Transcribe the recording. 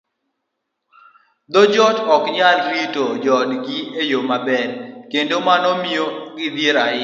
thoth joot ok nyal rito joodgi e yo maber, kendo mano miyo gidhier ahinya.